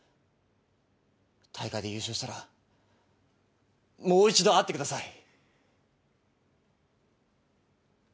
大会で優勝したらもう一度会ってください。